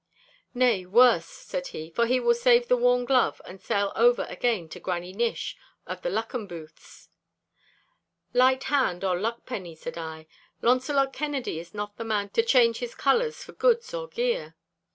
'Nay, worse,' said he, 'for he will save the worn glove to sell over again to Granny Nish of the Luckenbooths.' 'Light hand or luck penny,' said I, 'Launcelot Kennedy is not the man to change his colours for goods or gear.